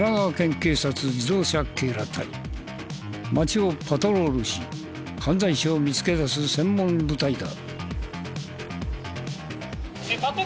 街をパトロールし犯罪者を見つけ出す専門部隊だ。